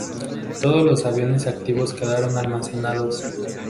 Todos los aviones activos quedaron almacenados.